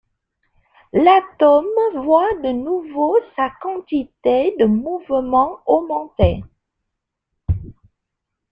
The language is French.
L'atome voit de nouveau sa quantité de mouvement augmenter.